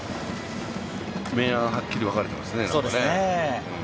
明暗はっきり分かれてますね。